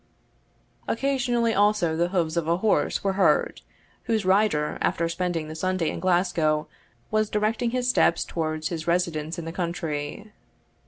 Occasionally, also, the hoofs of a horse were heard, whose rider, after spending the Sunday in Glasgow, was directing his steps towards his residence in the country.